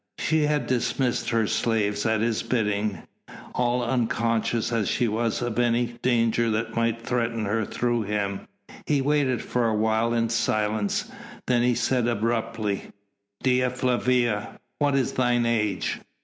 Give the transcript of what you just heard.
She had dismissed her slaves at his bidding all unconscious as she was of any danger that might threaten her through him. He waited for a while in silence, then he said abruptly: "Dea Flavia, what is thine age?"